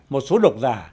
một số độc giả